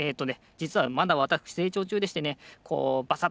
じつはまだわたくしせいちょうちゅうでしてねこうバサッとね